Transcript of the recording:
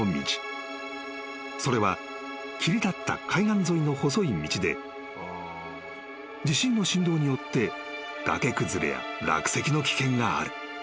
［それは切り立った海岸沿いの細い道で地震の震動によって崖崩れや落石の危険がある］